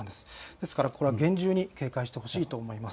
ですからこれは厳重に警戒してほしいと思います。